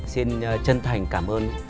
xin chân thành cảm ơn